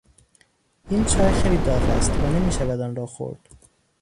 این چای خیلی داغ است و نمیشود آن را خورد.